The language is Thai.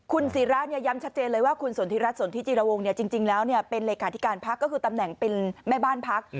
คุณศิราย้ำชัดเจนเลยว่าคุณสนทิรัฐสนทิจิรวงจริงแล้วเป็นเลขาธิการพักก็คือตำแหน่งเป็นแม่บ้านพัก